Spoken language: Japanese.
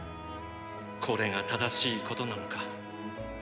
これが正しいことなのか。